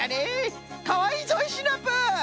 かわいいぞいシナプー！